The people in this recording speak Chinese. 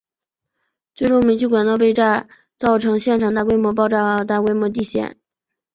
最终煤气管道被炸造成现场大规模爆炸和大规模地陷。